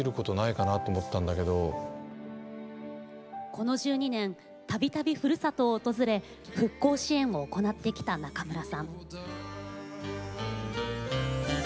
この１２年たびたび、ふるさとを訪れ復興支援を行ってきた中村さん。